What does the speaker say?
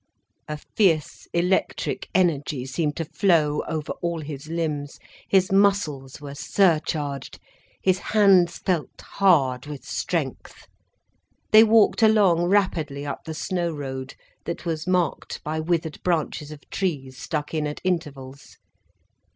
A fierce electric energy seemed to flow over all his limbs, his muscles were surcharged, his hands felt hard with strength. They walked along rapidly up the snow road, that was marked by withered branches of trees stuck in at intervals.